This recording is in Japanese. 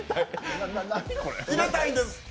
入れたいんです！